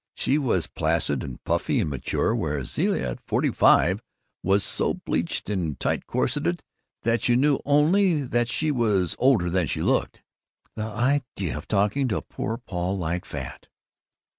She was placid and puffy and mature, where Zilla, at forty five, was so bleached and tight corseted that you knew only that she was older than she looked. "The idea of talking to poor Paul like that!"